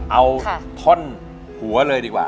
เอาท่อนหัวเลยดีกว่า